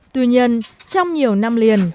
tuy nhiên trong nhiều năm liền